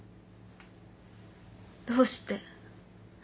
どうして？